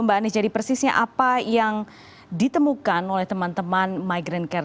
mbak anies jadi persisnya apa yang ditemukan oleh teman teman migrant care